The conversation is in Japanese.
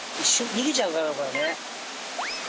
逃げちゃうだろうからね。